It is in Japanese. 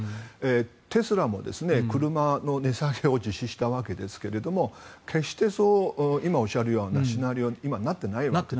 テスラも車の値下げを実施したわけだけど今おっしゃったような実態にはなっていないわけです。